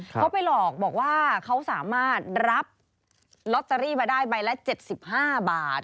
เขาไปหลอกบอกว่าเขาสามารถรับลอตเตอรี่มาได้ใบละ๗๕บาท